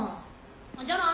じゃあな。